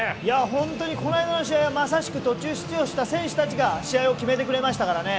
本当にこの間の試合はまさしく途中出場した選手たちが試合を決めてくれましたからね。